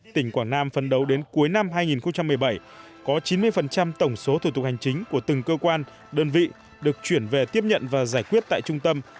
tỉnh quảng nam phấn đấu đến cuối năm hai nghìn một mươi bảy có chín mươi tổng số thủ tục hành chính của từng cơ quan đơn vị được chuyển về tiếp nhận và giải quyết tại trung tâm